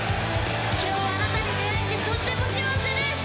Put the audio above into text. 今日は、あなたに出会えてとっても幸せです！